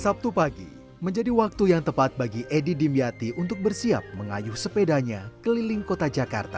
sabtu pagi menjadi waktu yang tepat bagi edi dimyati untuk bersiap mengayuh sepedanya keliling kota jakarta